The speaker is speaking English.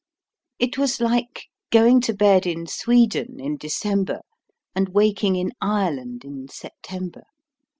It was like going to bed in Sweden in December, and waking in Ireland in September.